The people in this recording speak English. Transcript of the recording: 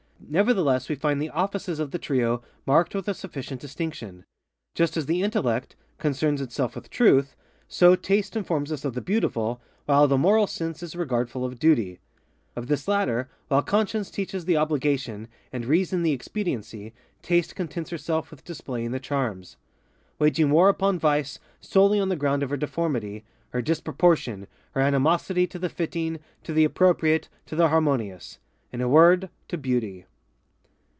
Nevertheless we find the _offices _of the trio marked with a sufficient distinction. Just as the Intellect concerns itself with Truth, so Taste informs us of the Beautiful, while the Moral Sense is regardful of Duty. Of this latter, while Conscience teaches the obligation, and Reason the expediency, Taste contents herself with displaying the charms:ŌĆöwaging war upon Vice solely on the ground of her deformityŌĆöher disproportionŌĆöher animosity to the fitting, to the appropriate, to the harmoniousŌĆöin a word, to Beauty.